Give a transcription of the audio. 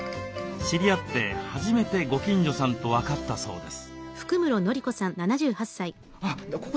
知り合って初めてご近所さんと分かったそうです。